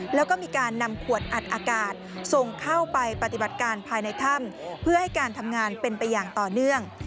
แล้วก็มีการนำขวดอัดอากาศส่งเข้าไปปฏิบัติการภายในถ้ำเพื่อให้การทำงานเป็นไปอย่างต่อเนื่อง